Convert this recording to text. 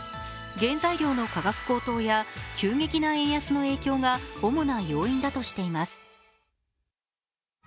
原材料の価格高騰や急激な円安の影響が主な要因だとしています。